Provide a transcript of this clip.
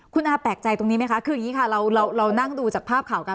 คุณอาแปลกใจตรงนี้ไหมคะคืออย่างนี้ค่ะเรานั่งดูจากภาพข่าวกัน